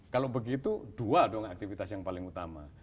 kalau begitu dua dong aktivitas yang paling utama